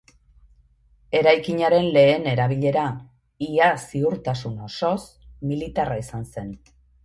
Eraikinaren lehen erabilera, ia ziurtasun osoz, militarra izan zen.